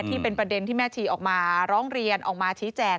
ที่เป็นประเด็นที่แม่ชีออกมาร้องเรียนออกมาชี้แจง